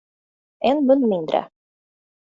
En mun mindre.